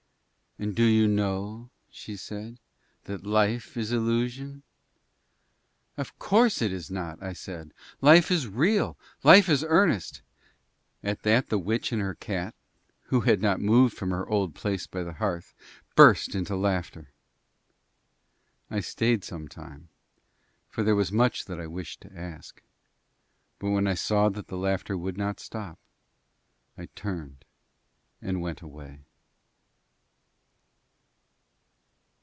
"And do you know," she said, "that Life is illusion?" "Of course it is not," I said. "Life is real, Life is earnest ." At that the witch and her cat (who had not moved from her old place by the hearth) burst into laughter. I stayed some time, for there was much that I wished to ask, but when I saw that the laughter would not stop I turned and went away.